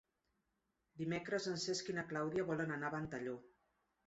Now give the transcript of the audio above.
Dimecres en Cesc i na Clàudia volen anar a Ventalló.